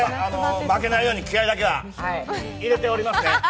負けないように気合いだけは入れておりますね。